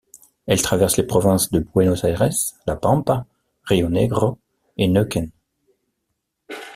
Elle traverse les provinces de Buenos Aires, La Pampa, Río Negro et Neuquén.